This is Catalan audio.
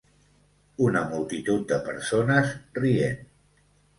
Una multitud de persones rient.